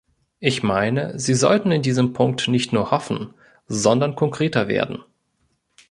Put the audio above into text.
Ich meine, Sie sollten in diesem Punkt nicht nur hoffen, sondern konkreter werden.